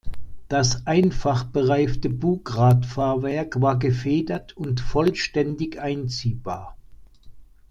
Das einfach bereifte Bugradfahrwerk war gefedert und vollständig einziehbar.